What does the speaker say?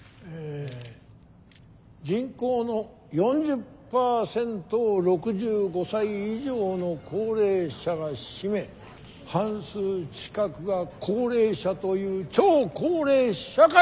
人口の４０％を６５歳以上の高齢者が占め半数近くが高齢者という超高齢社会！